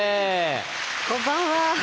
こんばんは！